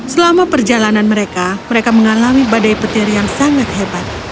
selama perjalanan mereka mereka mengalami badai petir yang sangat hebat